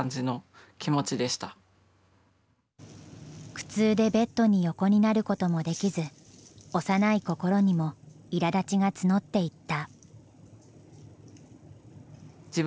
苦痛でベッドに横になることもできず、幼い心にもいらだちが募っていった。